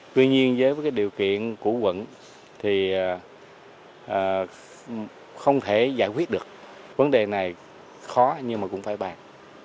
tuy nhiên với điều kiện của quận thì không thể giải quyết được vấn đề này khó nhưng mà cũng phải bàn